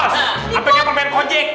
sampai kayak pemain konjek